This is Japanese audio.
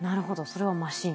それはマシン。